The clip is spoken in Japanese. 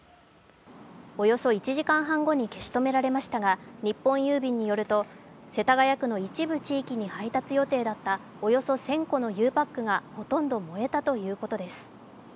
およそ１時間半後に消し止められましたが日本郵便によると、世田谷区の一部地域に配達予定だったおよそ１０００個のゆうパックがほとんど燃えたということです。